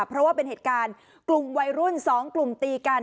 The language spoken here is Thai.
เพราะว่าเป็นเหตุการณ์กลุ่มวัยรุ่น๒กลุ่มตีกัน